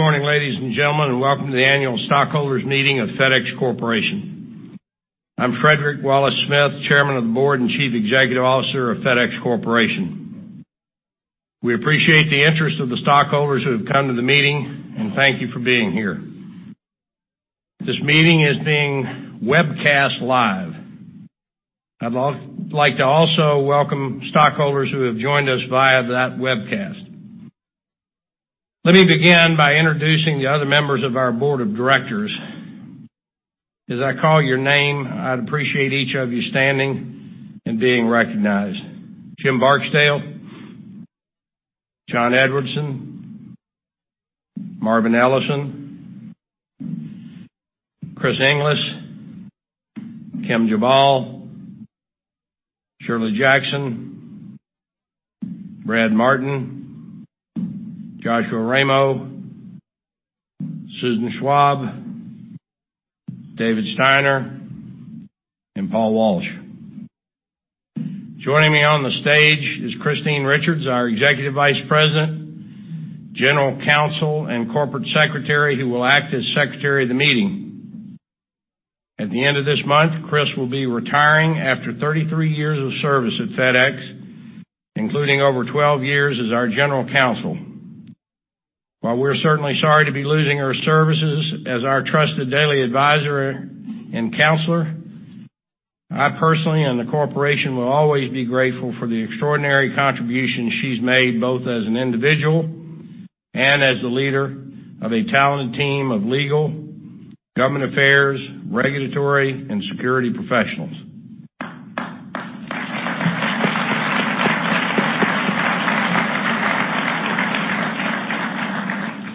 Good morning, ladies and gentlemen, and welcome to the annual stockholders meeting of FedEx Corporation. I'm Frederick Wallace Smith, Chairman of the Board and Chief Executive Officer of FedEx Corporation. We appreciate the interest of the stockholders who have come to the meeting, and thank you for being here. This meeting is being webcast live. I'd like to also welcome stockholders who have joined us via that webcast. Let me begin by introducing the other members of our board of directors. As I call your name, I'd appreciate each of you standing and being recognized. Jim Barksdale, John Edwardson, Marvin Ellison, Chris Inglis, Kim Jabal, Shirley Jackson, Brad Martin, Joshua Ramo, Susan Schwab, David Steiner, and Paul Walsh. Joining me on the stage is Christine Richards, our Executive Vice President, General Counsel and Corporate Secretary, who will act as Secretary of the meeting. At the end of this month, Chris will be retiring after 33 years of service at FedEx, including over 12 years as our General Counsel. While we're certainly sorry to be losing her services as our trusted daily advisor and counselor, I personally, and the corporation, will always be grateful for the extraordinary contributions she's made, both as an individual and as the leader of a talented team of legal, government affairs, regulatory, and security professionals.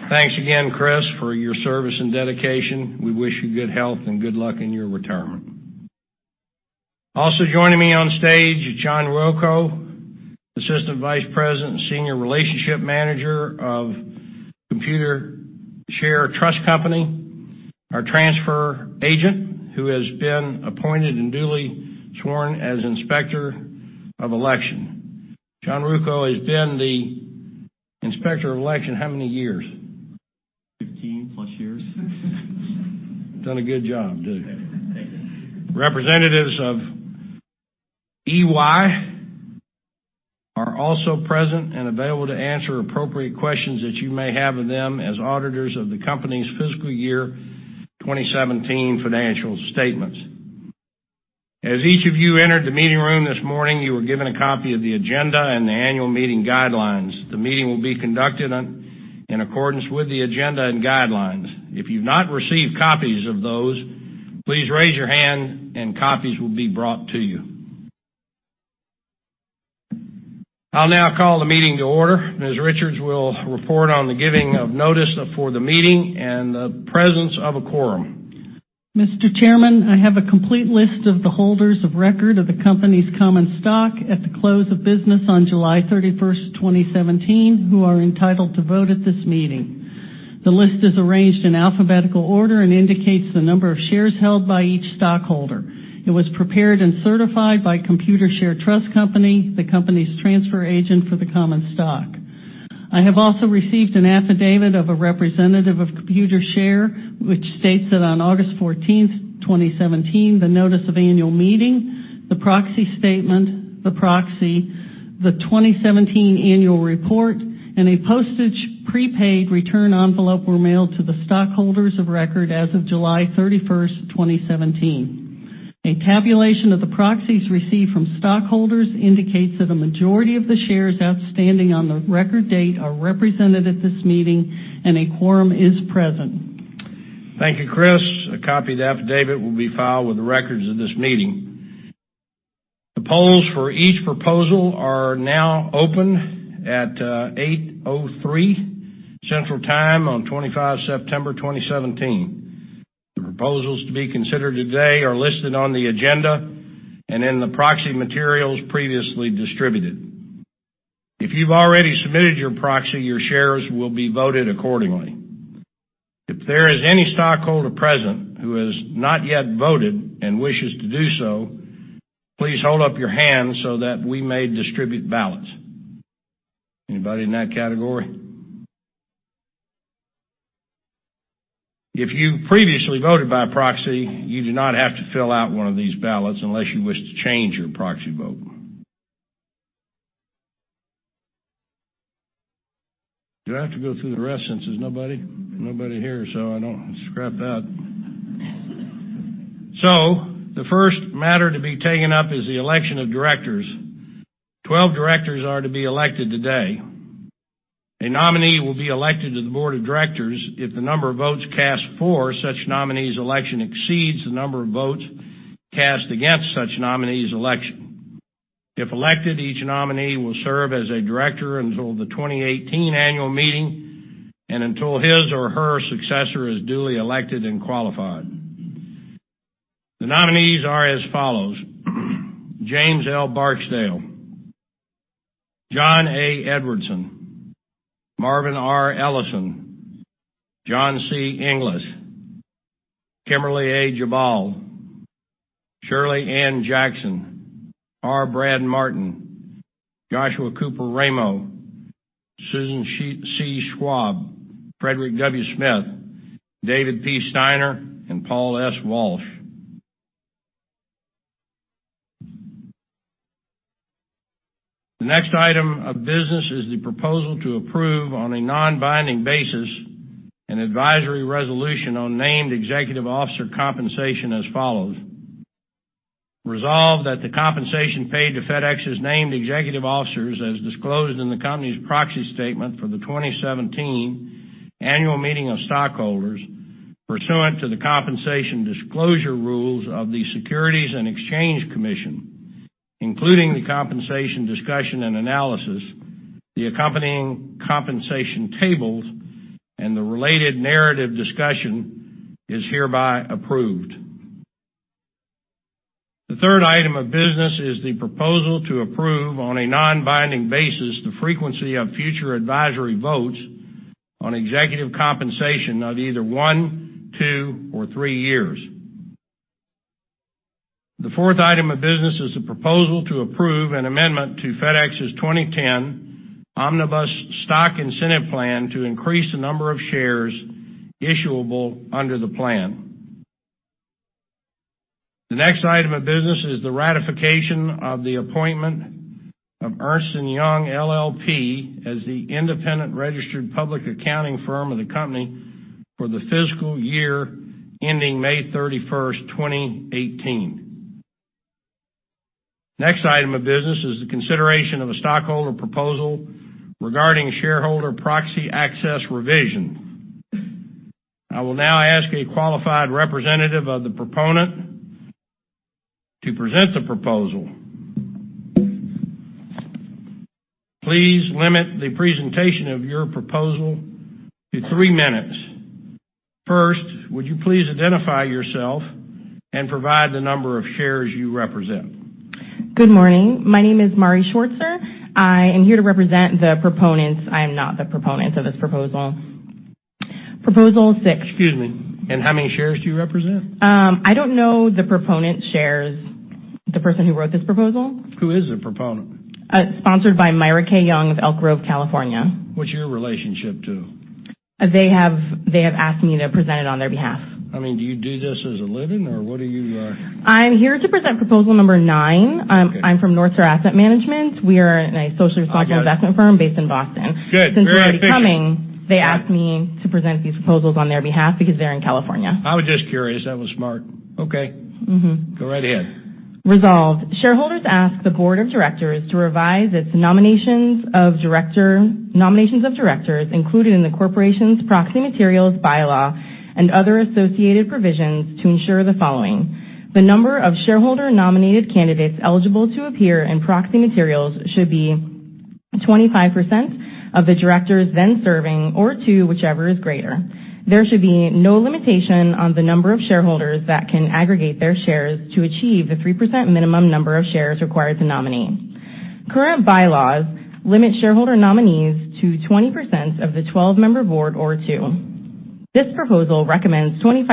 Thanks again, Chris, for your service and dedication. We wish you good health and good luck in your retirement. Also joining me on stage is John Ruocco, Assistant Vice President and Senior Relationship Manager of Computershare Trust Company, our transfer agent, who has been appointed and duly sworn as Inspector of Election. John Ruocco has been the Inspector of Election how many years? 15-plus years. Done a good job, too. Thank you. Representatives of EY are also present and available to answer appropriate questions that you may have of them as auditors of the company's fiscal year 2017 financial statements. As each of you entered the meeting room this morning, you were given a copy of the agenda and the annual meeting guidelines. The meeting will be conducted in accordance with the agenda and guidelines. If you've not received copies of those, please raise your hand and copies will be brought to you. I'll now call the meeting to order. Ms. Richards will report on the giving of notice for the meeting and the presence of a quorum. Mr. Chairman, I have a complete list of the holders of record of the company's common stock at the close of business on July 31st, 2017, who are entitled to vote at this meeting. The list is arranged in alphabetical order and indicates the number of shares held by each stockholder. It was prepared and certified by Computershare Trust Company, the company's transfer agent for the common stock. I have also received an affidavit of a representative of Computershare, which states that on August 14th, 2017, the notice of annual meeting, the proxy statement, the proxy, the 2017 annual report, and a postage prepaid return envelope were mailed to the stockholders of record as of July 31st, 2017. A tabulation of the proxies received from stockholders indicates that the majority of the shares outstanding on the record date are represented at this meeting and a quorum is present. Thank you, Chris. A copy of the affidavit will be filed with the records of this meeting. The polls for each proposal are now open at 8:03 Central Time on September 25, 2017. The proposals to be considered today are listed on the agenda and in the proxy materials previously distributed. If you've already submitted your proxy, your shares will be voted accordingly. If there is any stockholder present who has not yet voted and wishes to do so, please hold up your hand so that we may distribute ballots. Anybody in that category? If you previously voted by proxy, you do not have to fill out one of these ballots unless you wish to change your proxy vote. Do I have to go through the rest since there's nobody? Nobody here, so I don't. The first matter to be taken up is the election of directors. 12 directors are to be elected today. A nominee will be elected to the board of directors if the number of votes cast for such nominee's election exceeds the number of votes cast against such nominee's election. If elected, each nominee will serve as a director until the 2018 annual meeting and until his or her successor is duly elected and qualified. The nominees are as follows: James L. Barksdale, John A. Edwardson, Marvin R. Ellison, John C. Inglis, Kimberly A. Jabal, Shirley Ann Jackson, R. Brad Martin, Joshua Cooper Ramo, Susan C. Schwab, Frederick W. Smith, David P. Steiner, and Paul S. Walsh. The next item of business is the proposal to approve on a non-binding basis an advisory resolution on named executive officer compensation as follows. Resolved that the compensation paid to FedEx's named executive officers as disclosed in the company's proxy statement for the 2017 annual meeting of stockholders pursuant to the compensation disclosure rules of the Securities and Exchange Commission, including the compensation discussion and analysis, the accompanying compensation tables, and the related narrative discussion, is hereby approved. The third item of business is the proposal to approve, on a non-binding basis, the frequency of future advisory votes on executive compensation of either one, two, or three years. The fourth item of business is the proposal to approve an amendment to FedEx's 2010 Omnibus Stock Incentive Plan to increase the number of shares issuable under the plan. The next item of business is the ratification of the appointment of Ernst & Young LLP as the independent registered public accounting firm of the company for the fiscal year ending May 31st, 2018. Next item of business is the consideration of a stockholder proposal regarding shareholder proxy access revision. I will now ask a qualified representative of the proponent to present the proposal. Please limit the presentation of your proposal to three minutes. First, would you please identify yourself and provide the number of shares you represent? Good morning. My name is Mari Schwartzer. I am here to represent the proponents. I am not the proponent of this proposal. Proposal six. Excuse me. How many shares do you represent? I don't know the proponent shares, the person who wrote this proposal. Who is the proponent? It's sponsored by Myra K. Young of Elk Grove, California. What's your relationship to them? They have asked me to present it on their behalf. Do you do this as a living or what are you- I'm here to present proposal number nine. Okay. I'm from NorthStar Asset Management. We are a socially responsible- I've got it investment firm based in Boston. Good. Very efficient. Since you're already coming, they asked me to present these proposals on their behalf because they're in California. I was just curious. That was smart. Okay. Go right ahead. Resolved, shareholders ask the board of directors to revise its nominations of directors included in the corporation's proxy materials, bylaw, and other associated provisions to ensure the following. The number of shareholder-nominated candidates eligible to appear in proxy materials should be 25% of the directors then serving, or two, whichever is greater. There should be no limitation on the number of shareholders that can aggregate their shares to achieve the 3% minimum number of shares required to nominate. Current bylaws limit shareholder nominees to 20% of the 12-member board, or two. This proposal recommends 25%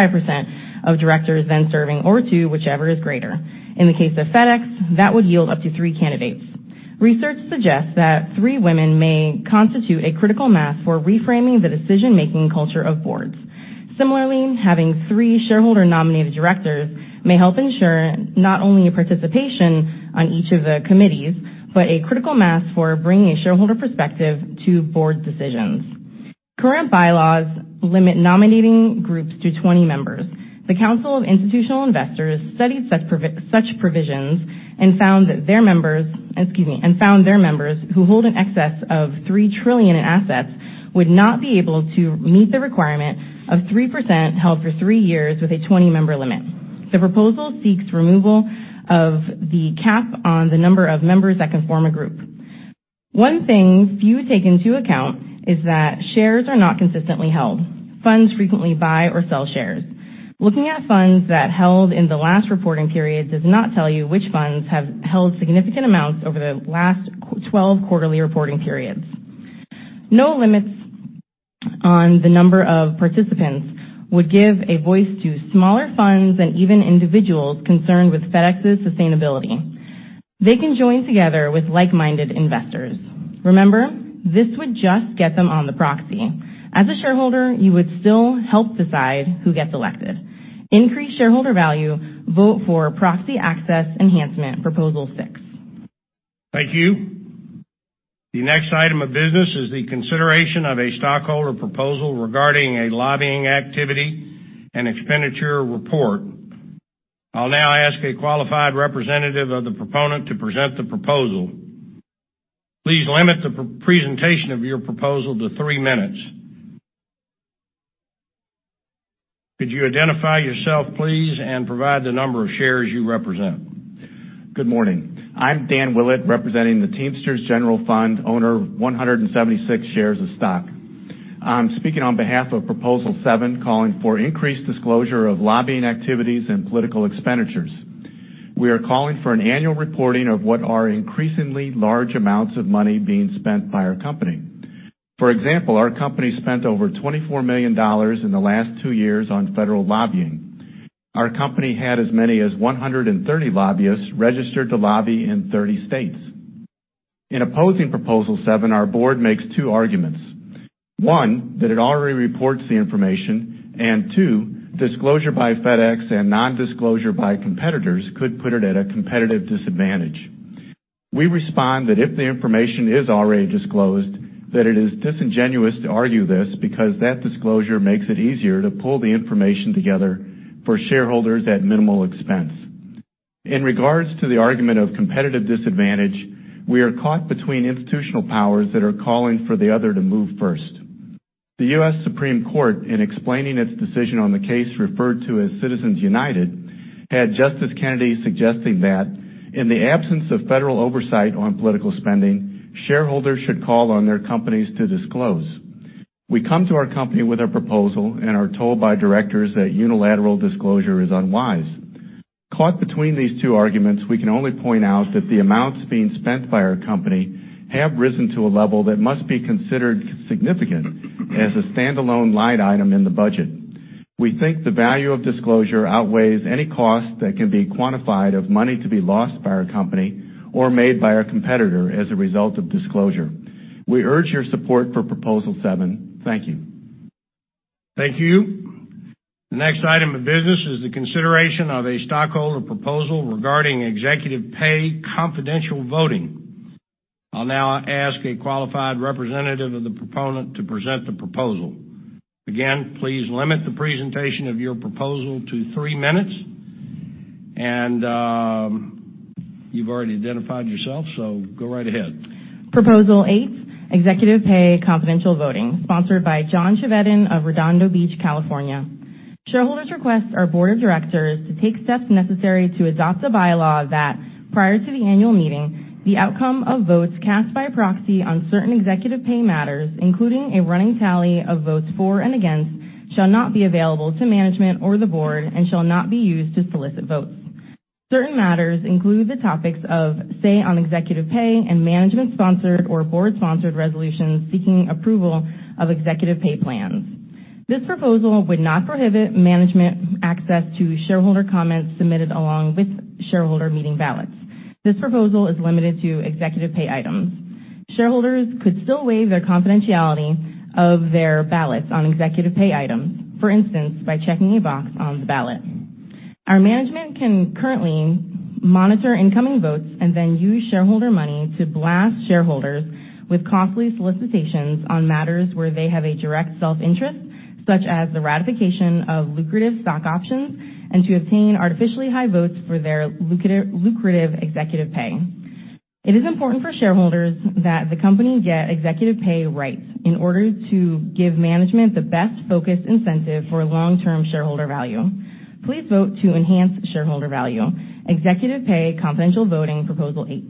of directors then serving, or two, whichever is greater. In the case of FedEx, that would yield up to three candidates. Research suggests that three women may constitute a critical mass for reframing the decision-making culture of boards. Similarly, having three shareholder-nominated directors may help ensure not only a participation on each of the committees, but a critical mass for bringing a shareholder perspective to board decisions. Current bylaws limit nominating groups to 20 members. The Council of Institutional Investors studied such provisions and found their members who hold an excess of $3 trillion in assets would not be able to meet the requirement of 3% held for three years with a 20-member limit. The proposal seeks removal of the cap on the number of members that can form a group. One thing few take into account is that shares are not consistently held. Funds frequently buy or sell shares. Looking at funds that held in the last reporting period does not tell you which funds have held significant amounts over the last 12 quarterly reporting periods. No limits on the number of participants would give a voice to smaller funds and even individuals concerned with FedEx's sustainability. They can join together with like-minded investors. Remember, this would just get them on the proxy. As a shareholder, you would still help decide who gets elected. Increase shareholder value. Vote for proxy access enhancement, proposal six. Thank you. The next item of business is the consideration of a stockholder proposal regarding a lobbying activity and expenditure report. I'll now ask a qualified representative of the proponent to present the proposal. Please limit the presentation of your proposal to three minutes. Could you identify yourself, please, and provide the number of shares you represent? Good morning. I'm Dan Willett, representing the Teamsters General Fund, owner of 176 shares of stock. I'm speaking on behalf of proposal seven, calling for increased disclosure of lobbying activities and political expenditures. We are calling for an annual reporting of what are increasingly large amounts of money being spent by our company. For example, our company spent over $24 million in the last two years on federal lobbying. Our company had as many as 130 lobbyists registered to lobby in 30 states. In opposing Proposal 7, our board makes two arguments. One, that it already reports the information. Two, disclosure by FedEx and non-disclosure by competitors could put it at a competitive disadvantage. We respond that if the information is already disclosed, that it is disingenuous to argue this because that disclosure makes it easier to pull the information together for shareholders at minimal expense. In regards to the argument of competitive disadvantage, we are caught between institutional powers that are calling for the other to move first. The U.S. Supreme Court, in explaining its decision on the case referred to as Citizens United, had Justice Kennedy suggesting that in the absence of federal oversight on political spending, shareholders should call on their companies to disclose. We come to our company with a proposal and are told by directors that unilateral disclosure is unwise. Caught between these two arguments, we can only point out that the amounts being spent by our company have risen to a level that must be considered significant as a standalone line item in the budget. We think the value of disclosure outweighs any cost that can be quantified of money to be lost by our company or made by our competitor as a result of disclosure. We urge your support for Proposal 7. Thank you. Thank you. The next item of business is the consideration of a stockholder proposal regarding executive pay confidential voting. I'll now ask a qualified representative of the proponent to present the proposal. Again, please limit the presentation of your proposal to three minutes. You've already identified yourself, so go right ahead. Proposal 8, executive pay confidential voting, sponsored by John Chevedden of Redondo Beach, California. Shareholders request our board of directors to take steps necessary to adopt a bylaw that, prior to the annual meeting, the outcome of votes cast by proxy on certain executive pay matters, including a running tally of votes for and against, shall not be available to management or the board and shall not be used to solicit votes. Certain matters include the topics of say on executive pay and management-sponsored or board-sponsored resolutions seeking approval of executive pay plans. This proposal would not prohibit management access to shareholder comments submitted along with shareholder meeting ballots. This proposal is limited to executive pay items. Shareholders could still waive their confidentiality of their ballots on executive pay items. For instance, by checking a box on the ballot. Our management can currently monitor incoming votes and then use shareholder money to blast shareholders with costly solicitations on matters where they have a direct self-interest, such as the ratification of lucrative stock options and to obtain artificially high votes for their lucrative executive pay. It is important for shareholders that the company get executive pay rights in order to give management the best-focused incentive for long-term shareholder value. Please vote to enhance shareholder value. Executive pay confidential voting, Proposal eight.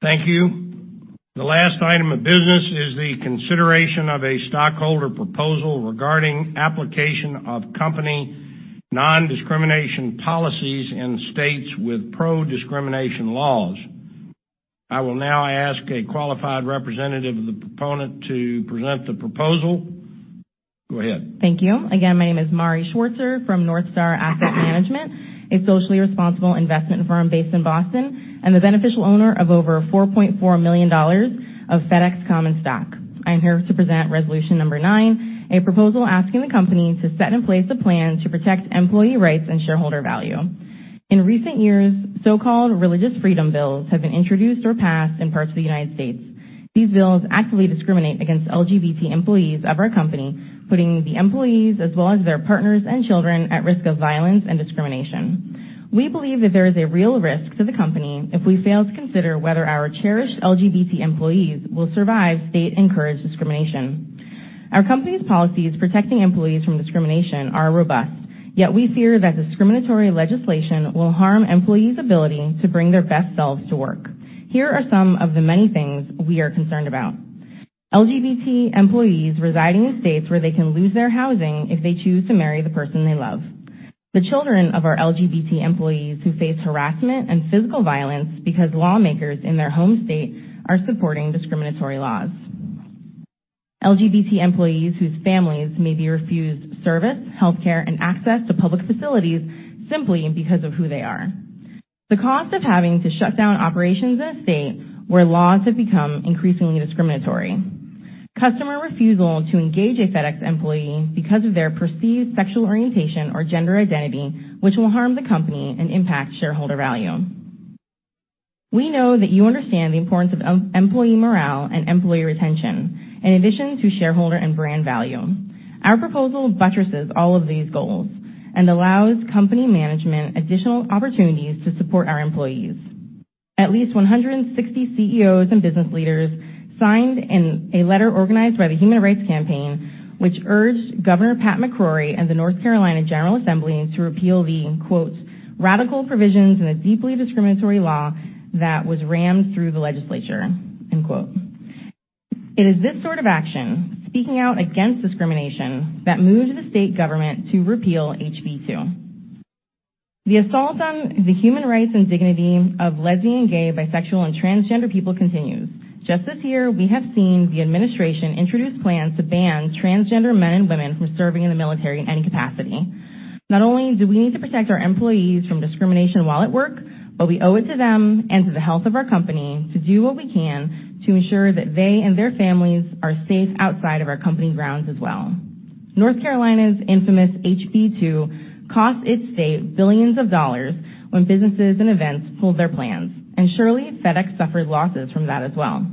Thank you. The last item of business is the consideration of a shareholder proposal regarding application of company non-discrimination policies in states with pro-discrimination laws. I will now ask a qualified representative of the proponent to present the proposal. Go ahead. Thank you. Again, my name is Mari Schwartzer from NorthStar Asset Management, a socially responsible investment firm based in Boston, and the beneficial owner of over $4.4 million of FedEx common stock. I am here to present resolution number nine, a proposal asking the company to set in place a plan to protect employee rights and shareholder value. In recent years, so-called religious freedom bills have been introduced or passed in parts of the United States. These bills actively discriminate against LGBT employees of our company, putting the employees as well as their partners and children at risk of violence and discrimination. We believe that there is a real risk to the company if we fail to consider whether our cherished LGBT employees will survive state-encouraged discrimination. Our company's policies protecting employees from discrimination are robust. We fear that discriminatory legislation will harm employees' ability to bring their best selves to work. Here are some of the many things we are concerned about. LGBT employees residing in states where they can lose their housing if they choose to marry the person they love. The children of our LGBT employees who face harassment and physical violence because lawmakers in their home state are supporting discriminatory laws. LGBT employees whose families may be refused service, healthcare, and access to public facilities simply because of who they are. The cost of having to shut down operations in a state where laws have become increasingly discriminatory. Customer refusal to engage a FedEx employee because of their perceived sexual orientation or gender identity, which will harm the company and impact shareholder value. We know that you understand the importance of employee morale and employee retention, in addition to shareholder and brand value. Our proposal buttresses all of these goals and allows company management additional opportunities to support our employees. At least 160 CEOs and business leaders signed a letter organized by the Human Rights Campaign, which urged Governor Pat McCrory and the North Carolina General Assembly to repeal the, quote, "Radical provisions in a deeply discriminatory law that was rammed through the legislature." End quote. It is this sort of action, speaking out against discrimination, that moved the state government to repeal HB2. The assault on the human rights and dignity of lesbian, gay, bisexual, and transgender people continues. Just this year, we have seen the administration introduce plans to ban transgender men and women from serving in the military in any capacity. Not only do we need to protect our employees from discrimination while at work, but we owe it to them and to the health of our company to do what we can to ensure that they and their families are safe outside of our company grounds as well. North Carolina's infamous HB2 cost its state billions of dollars when businesses and events pulled their plans, and surely FedEx suffered losses from that as well.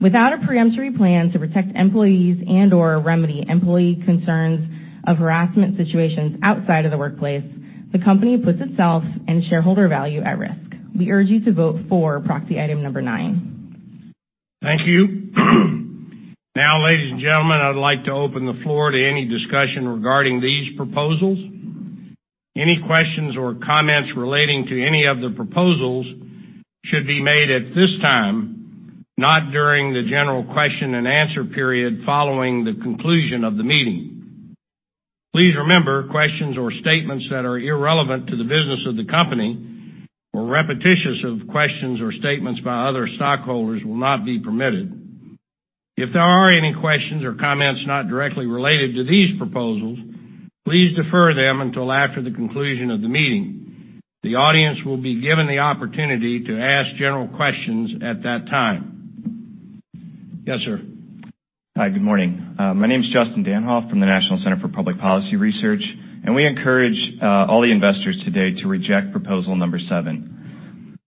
Without a peremptory plan to protect employees and/or remedy employee concerns of harassment situations outside of the workplace, the company puts itself and shareholder value at risk. We urge you to vote for proxy item number nine. Thank you. Ladies and gentlemen, I'd like to open the floor to any discussion regarding these proposals. Any questions or comments relating to any of the proposals should be made at this time, not during the general question and answer period following the conclusion of the meeting. Please remember, questions or statements that are irrelevant to the business of the company or repetitious of questions or statements by other stockholders will not be permitted. If there are any questions or comments not directly related to these proposals, please defer them until after the conclusion of the meeting. The audience will be given the opportunity to ask general questions at that time. Yes, sir. Hi, good morning. My name is Justin Danhof from the National Center for Public Policy Research, we encourage all the investors today to reject proposal number seven.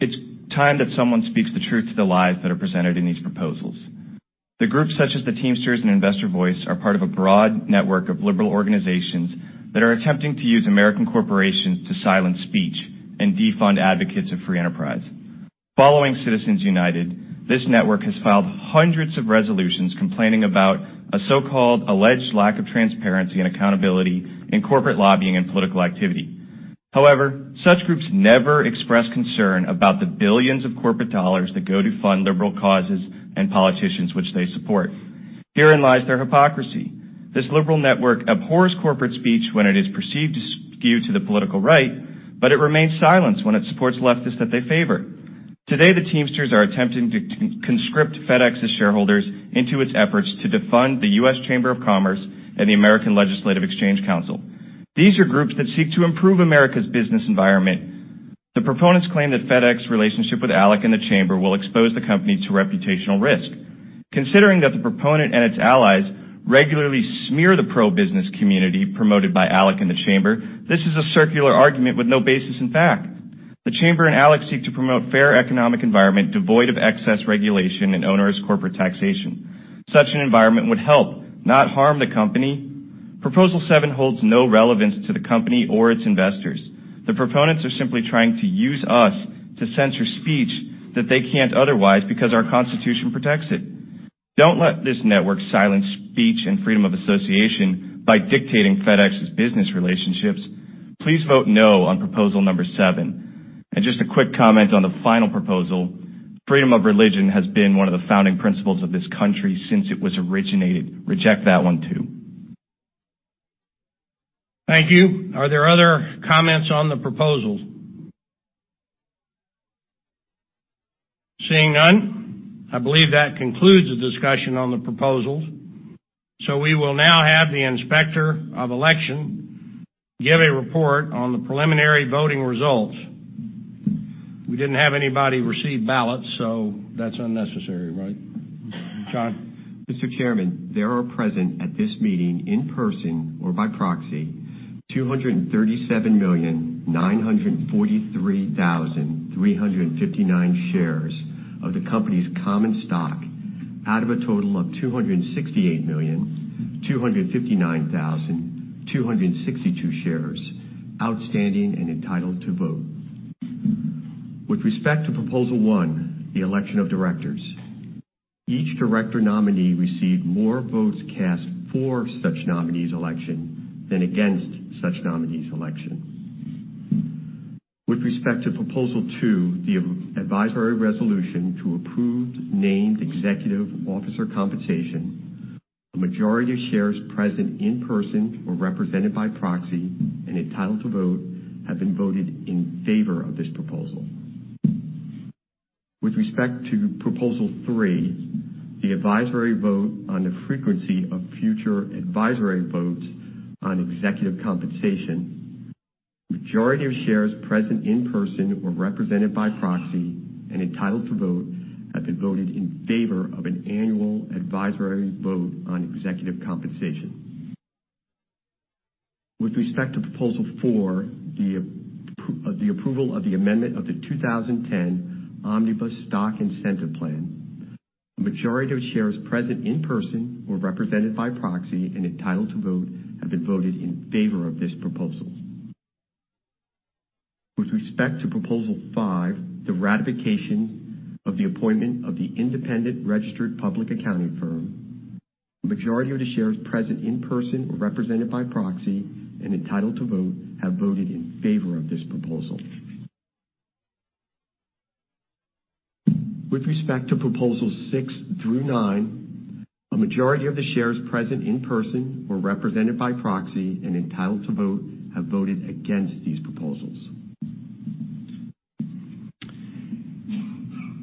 It's time that someone speaks the truth to the lies that are presented in these proposals. The groups such as the Teamsters and Investor Voice are part of a broad network of liberal organizations that are attempting to use American corporations to silence speech and defund advocates of free enterprise. Following Citizens United, this network has filed hundreds of resolutions complaining about a so-called alleged lack of transparency and accountability in corporate lobbying and political activity. However, such groups never express concern about the billions of corporate dollars that go to fund liberal causes and politicians which they support. Herein lies their hypocrisy. This liberal network abhors corporate speech when it is perceived to skew to the political right, but it remains silent when it supports leftists that they favor. Today, the Teamsters are attempting to conscript FedEx's shareholders into its efforts to defund the U.S. Chamber of Commerce and the American Legislative Exchange Council. These are groups that seek to improve America's business environment. The proponents claim that FedEx relationship with ALEC and the Chamber will expose the company to reputational risk. Considering that the proponent and its allies regularly smear the pro-business community promoted by ALEC and the Chamber, this is a circular argument with no basis in fact. The Chamber and ALEC seek to promote fair economic environment devoid of excess regulation and onerous corporate taxation. Such an environment would help, not harm the company. Proposal 7 holds no relevance to the company or its investors. The proponents are simply trying to use us to censor speech that they can't otherwise because our Constitution protects it. Don't let this network silence speech and freedom of association by dictating FedEx's business relationships. Please vote no on proposal number 7. Just a quick comment on the final proposal. Freedom of religion has been one of the founding principles of this country since it was originated. Reject that one, too. Thank you. Are there other comments on the proposals? Seeing none, I believe that concludes the discussion on the proposals. We will now have the Inspector of Election give a report on the preliminary voting results. We didn't have anybody receive ballots, so that's unnecessary, right? John? Mr. Chairman, there are present at this meeting in person or by proxy, 237,943,359 shares of the company's common stock out of a total of 268,259,262 shares outstanding and entitled to vote. With respect to proposal 1, the election of directors, each director nominee received more votes cast for such nominee's election than against such nominee's election. With respect to proposal 2, the advisory resolution to approve named executive officer compensation, a majority of shares present in person or represented by proxy and entitled to vote have been voted in favor of this proposal. With respect to proposal 3, the advisory vote on the frequency of future advisory votes on executive compensation, majority of shares present in person or represented by proxy and entitled to vote have been voted in favor of an annual advisory vote on executive compensation. With respect to Proposal 4, the approval of the amendment of the 2010 Omnibus Stock Incentive Plan, a majority of shares present in person or represented by proxy and entitled to vote have been voted in favor of this proposal. With respect to Proposal 5, the ratification of the appointment of the independent registered public accounting firm, a majority of the shares present in person or represented by proxy and entitled to vote have voted in favor of this proposal. With respect to Proposals 6 through 9, a majority of the shares present in person or represented by proxy and entitled to vote have voted against these proposals.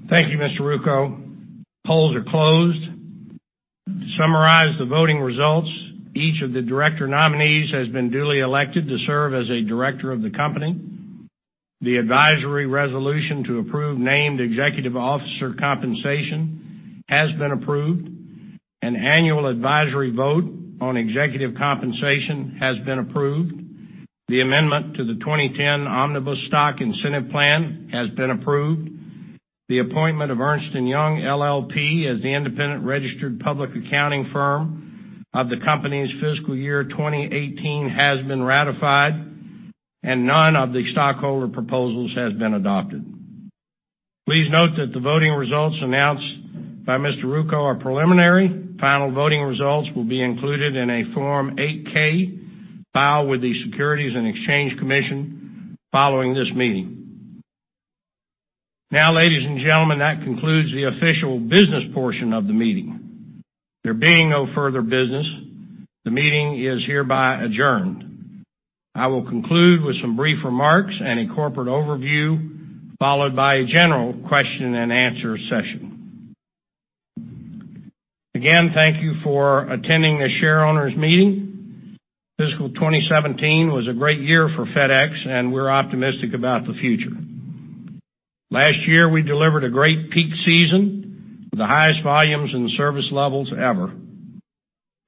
Thank you, Mr. Ruocco. Polls are closed. To summarize the voting results, each of the director nominees has been duly elected to serve as a director of the company. The advisory resolution to approve named executive officer compensation has been approved. An annual advisory vote on executive compensation has been approved. The amendment to the 2010 Omnibus Stock Incentive Plan has been approved. The appointment of Ernst & Young LLP as the independent registered public accounting firm of the company's fiscal year 2018 has been ratified. None of the stockholder proposals has been adopted. Please note that the voting results announced by Mr. Ruocco are preliminary. Final voting results will be included in a Form 8-K filed with the Securities and Exchange Commission following this meeting. Now, ladies and gentlemen, that concludes the official business portion of the meeting. There being no further business, the meeting is hereby adjourned. I will conclude with some brief remarks and a corporate overview, followed by a general question and answer session. Again, thank you for attending the shareowners meeting. Fiscal 2017 was a great year for FedEx, and we're optimistic about the future. Last year, we delivered a great peak season with the highest volumes and service levels ever.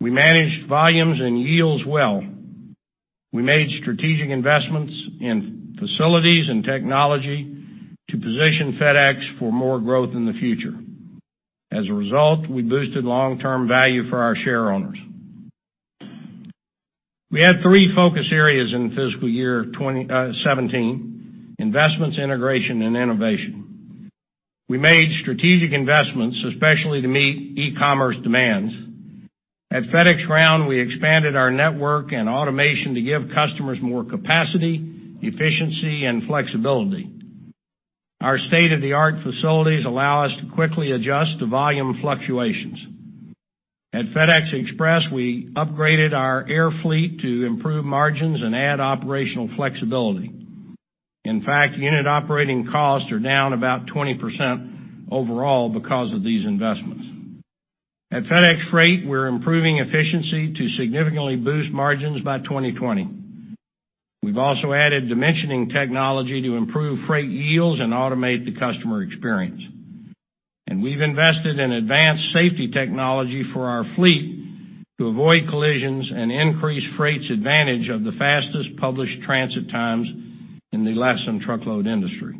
We managed volumes and yields well. We made strategic investments in facilities and technology to position FedEx for more growth in the future. As a result, we boosted long-term value for our shareowners. We had three focus areas in fiscal year 2017: investments, integration, and innovation. We made strategic investments, especially to meet e-commerce demands. At FedEx Ground, we expanded our network and automation to give customers more capacity, efficiency, and flexibility. Our state-of-the-art facilities allow us to quickly adjust to volume fluctuations. At FedEx Express, we upgraded our air fleet to improve margins and add operational flexibility. In fact, unit operating costs are down about 20% overall because of these investments. At FedEx Freight, we're improving efficiency to significantly boost margins by 2020. We've also added dimensioning technology to improve freight yields and automate the customer experience. We've invested in advanced safety technology for our fleet to avoid collisions and increase Freight's advantage of the fastest published transit times in the less-than-truckload industry.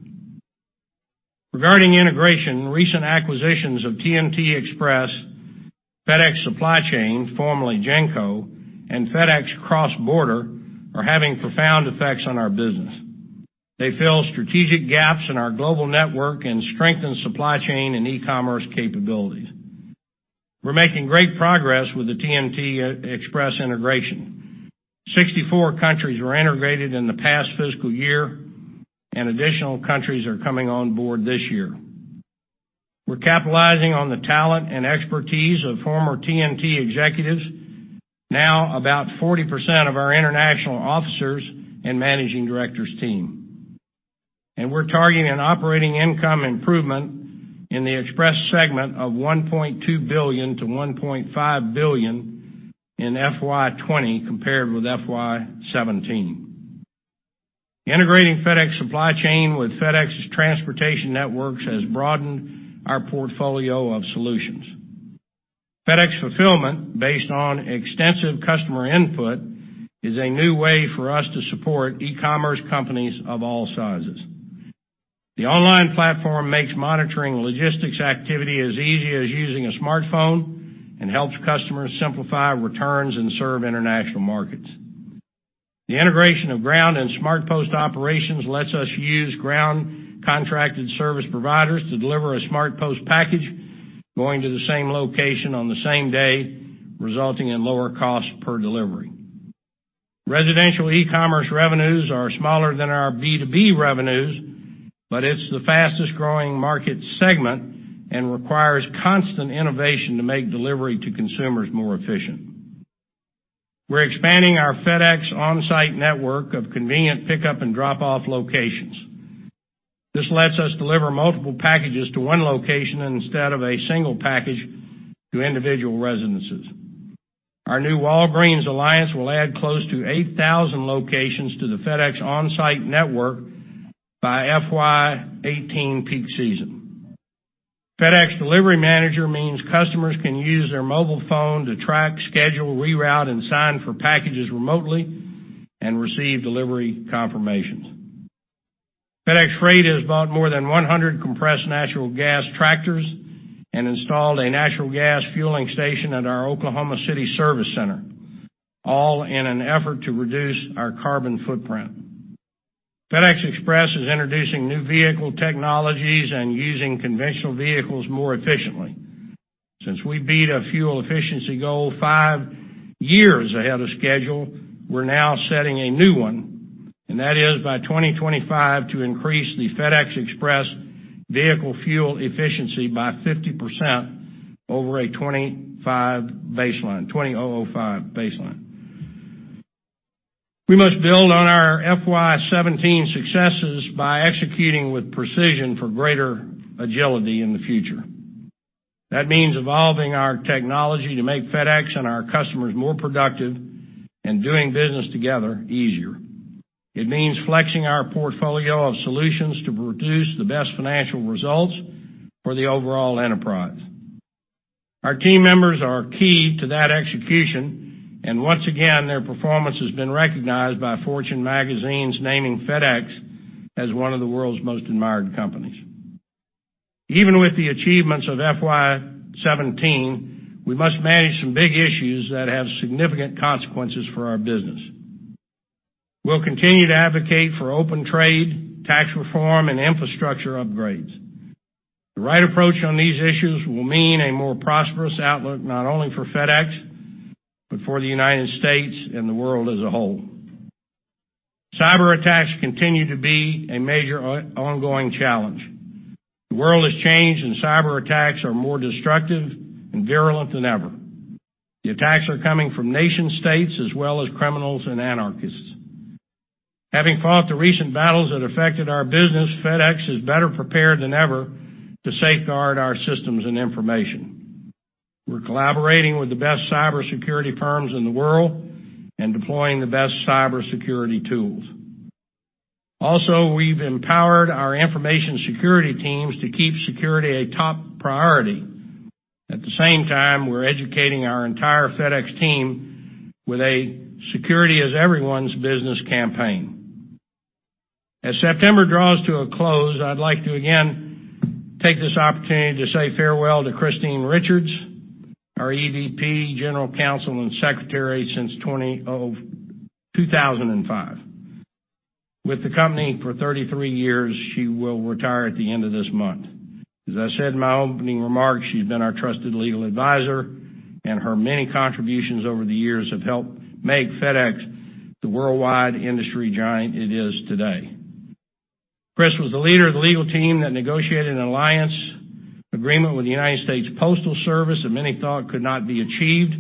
Regarding integration, recent acquisitions of TNT Express, FedEx Supply Chain, formerly GENCO, and FedEx Cross Border are having profound effects on our business. They fill strategic gaps in our global network and strengthen supply chain and e-commerce capabilities. We're making great progress with the TNT Express integration. 64 countries were integrated in the past fiscal year, and additional countries are coming on board this year. We're capitalizing on the talent and expertise of former TNT executives, now about 40% of our international officers and managing directors team. We're targeting an operating income improvement in the Express segment of $1.2 billion to $1.5 billion in FY 2020 compared with FY 2017. Integrating FedEx Supply Chain with FedEx's transportation networks has broadened our portfolio of solutions. FedEx Fulfillment, based on extensive customer input, is a new way for us to support e-commerce companies of all sizes. The online platform makes monitoring logistics activity as easy as using a smartphone and helps customers simplify returns and serve international markets. The integration of Ground and SmartPost operations lets us use Ground contracted service providers to deliver a SmartPost package going to the same location on the same day, resulting in lower cost per delivery. Residential e-commerce revenues are smaller than our B2B revenues, but it's the fastest-growing market segment and requires constant innovation to make delivery to consumers more efficient. We're expanding our FedEx OnSite network of convenient pickup and drop-off locations. This lets us deliver multiple packages to one location instead of a single package to individual residences. Our new Walgreens alliance will add close to 8,000 locations to the FedEx OnSite network by FY 2018 peak season. FedEx Delivery Manager means customers can use their mobile phone to track, schedule, reroute, and sign for packages remotely and receive delivery confirmations. FedEx Freight has bought more than 100 compressed natural gas tractors and installed a natural gas fueling station at our Oklahoma City service center, all in an effort to reduce our carbon footprint. FedEx Express is introducing new vehicle technologies and using conventional vehicles more efficiently. Since we beat a fuel efficiency goal five years ahead of schedule, we're now setting a new one, and that is by 2025 to increase the FedEx Express vehicle fuel efficiency by 50% over a 2005 baseline. We must build on our FY 2017 successes by executing with precision for greater agility in the future. That means evolving our technology to make FedEx and our customers more productive and doing business together easier. It means flexing our portfolio of solutions to produce the best financial results for the overall enterprise. Our team members are key to that execution, and once again, their performance has been recognized by Fortune's naming FedEx as one of the world's most admired companies. Even with the achievements of FY 2017, we must manage some big issues that have significant consequences for our business. We'll continue to advocate for open trade, tax reform, and infrastructure upgrades. The right approach on these issues will mean a more prosperous outlook, not only for FedEx, but for the United States and the world as a whole. Cyberattacks continue to be a major ongoing challenge. The world has changed, and cyberattacks are more destructive and virulent than ever. The attacks are coming from nation states as well as criminals and anarchists. Having fought the recent battles that affected our business, FedEx is better prepared than ever to safeguard our systems and information. We're collaborating with the best cybersecurity firms in the world and deploying the best cybersecurity tools. Also, we've empowered our information security teams to keep security a top priority. At the same time, we're educating our entire FedEx team with a Security is Everyone's Business campaign. As September draws to a close, I'd like to again take this opportunity to say farewell to Christine Richards, our EVP, General Counsel, and Secretary since 2005. With the company for 33 years, she will retire at the end of this month. As I said in my opening remarks, she's been our trusted legal advisor, and her many contributions over the years have helped make FedEx the worldwide industry giant it is today. Chris was the leader of the legal team that negotiated an alliance agreement with the United States Postal Service that many thought could not be achieved,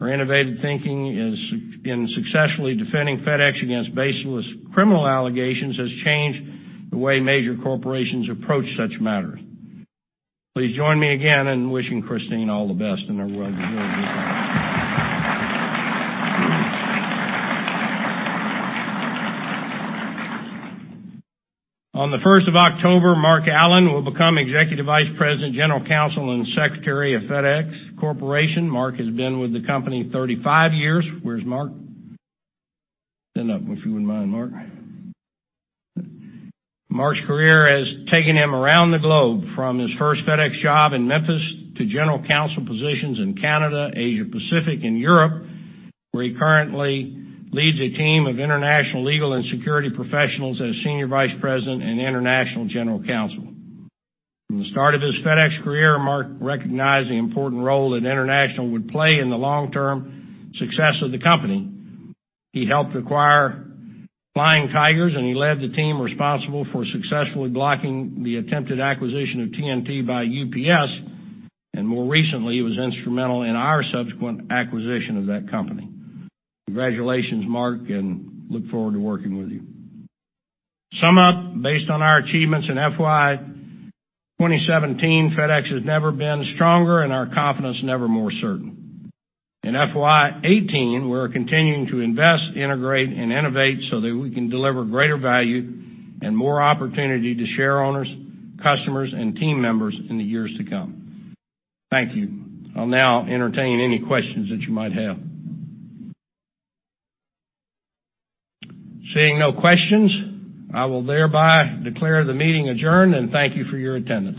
her innovative thinking in successfully defending FedEx against baseless criminal allegations has changed the way major corporations approach such matters. Please join me again in wishing Christine all the best in her well-deserved retirement. On the 1st of October, Mark Allen will become Executive Vice President, General Counsel, and Secretary of FedEx Corporation. Mark has been with the company 35 years. Where's Mark? Stand up if you wouldn't mind, Mark. Mark's career has taken him around the globe from his first FedEx job in Memphis to General Counsel positions in Canada, Asia Pacific, and Europe, where he currently leads a team of international legal and security professionals as Senior Vice President and International General Counsel. From the start of his FedEx career, Mark recognized the important role that international would play in the long-term success of the company. He helped acquire Flying Tigers, and he led the team responsible for successfully blocking the attempted acquisition of TNT by UPS, and more recently, was instrumental in our subsequent acquisition of that company. Congratulations, Mark, and look forward to working with you. Sum up, based on our achievements in FY 2017, FedEx has never been stronger, and our confidence never more certain. In FY 2018, we're continuing to invest, integrate, and innovate so that we can deliver greater value and more opportunity to shareowners, customers, and team members in the years to come. Thank you. I'll now entertain any questions that you might have. Seeing no questions, I will thereby declare the meeting adjourned, and thank you for your attendance.